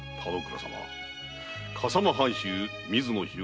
笠間藩主・水野日向